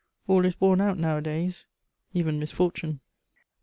All is worn out nowadays, even misfortune.